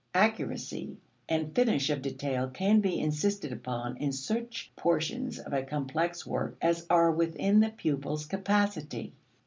Accuracy and finish of detail can be insisted upon in such portions of a complex work as are within the pupil's capacity.